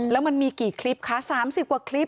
แล้วมันมีกี่คลิปคะ๓๐กว่าคลิป